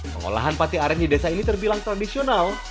pengolahan pate aren di desa ini terbilang tradisional